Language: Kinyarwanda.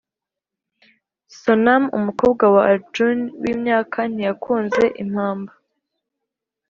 Sonam umukobwa wa Arjun w imyaka ntiyakunze impamba